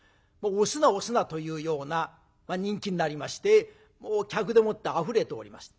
押すな押すなというような人気になりまして客でもってあふれておりました。